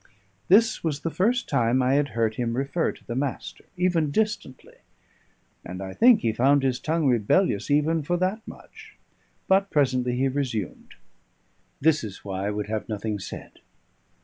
This was the first time I had heard him refer to the Master, even distantly; and I think he found his tongue rebellious even for that much, but presently he resumed "This is why I would have nothing said.